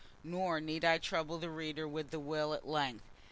Nor need I trouble my readers with the will at length.